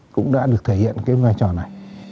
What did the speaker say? cũng đã được thể hiện cái vai trò này